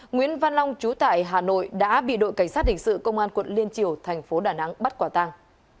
nguyễn văn long chú tại hà nội đã bị đội cảnh sát hình sự công an quận liên triều thành phố đà nẵng bắt quả tàng